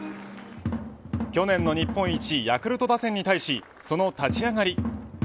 去年の日本一ヤクルト打線に対しその立ち上がり。